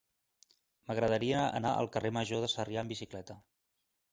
M'agradaria anar al carrer Major de Sarrià amb bicicleta.